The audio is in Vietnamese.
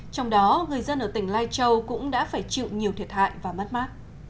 trong đó người dân ở tỉnh lai châu cũng đã phải chịu nhiều thiệt hại và mất mát